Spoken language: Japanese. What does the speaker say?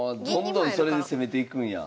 どんどんそれで攻めていくんや。